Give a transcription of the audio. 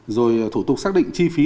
rồi thủ tục xác định chi phí